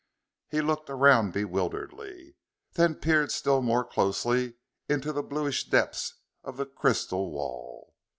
He looked around bewilderedly, then peered still more closely into the bluish depths of the crystal wall.